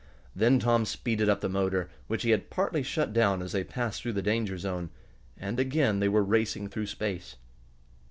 Then Tom speeded up the motor, which he had partly shut down as they passed through the danger zone, and again they were racing through space.